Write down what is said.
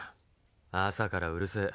朝からうるせえ。